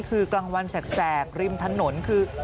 คือกลางวันแสกริมถนนคือ